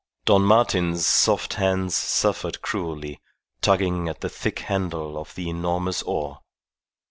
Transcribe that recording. Don Martin's soft hands suffered cruelly, tugging at the thick handle of the enormous oar.